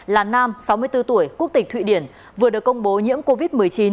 là nam sáu mươi bốn tuổi quốc tịch thụy điển vừa được công bố nhiễm covid một mươi chín